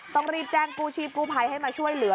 ต้องรีบแจ้งกู้ชีพกู้ภัยให้มาช่วยเหลือ